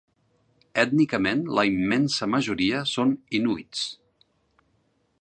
Ètnicament, la immensa majoria són inuits.